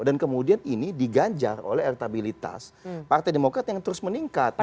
dan kemudian ini digajar oleh rentabilitas partai demokrat yang terus meningkat